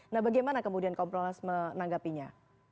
nah bagaimana kemudian kompolnas menanggapinya